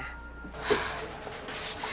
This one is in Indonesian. aku mau berhati hati